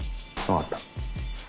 わかった。